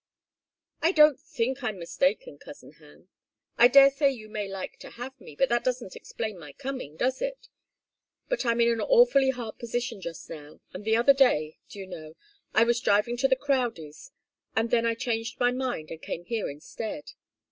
"I don't think I'm mistaken, cousin Ham. I daresay you may like to have me, but that doesn't explain my coming, does it? But I'm in an awfully hard position just now, and the other day do you know? I was driving to the Crowdies', and then I changed my mind and came here instead."